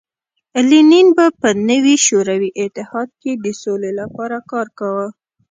لینین به په نوي شوروي اتحاد کې د سولې لپاره کار کاوه